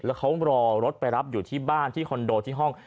แล้วเขารอรถไปรับอยู่ที่บ้านที่คอนโดที่ห้อง